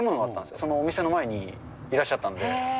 そのお店の前にいらっしゃったんで。